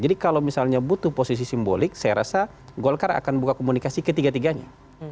jadi kalau kita butuh posisi simbolik saya rasa golkar akan buka komunikasi ketiga tiganya